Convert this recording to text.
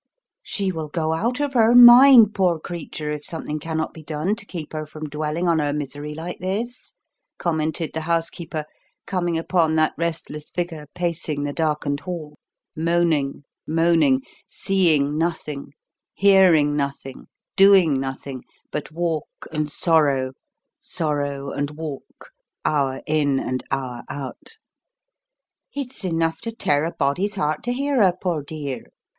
"She will go out of her mind, poor creature, if something cannot be done to keep her from dwelling on her misery like this," commented the housekeeper, coming upon that restless figure pacing the darkened hall, moaning, moaning seeing nothing, hearing nothing, doing nothing but walk and sorrow, sorrow and walk, hour in and hour out. "It's enough to tear a body's heart to hear her, poor dear.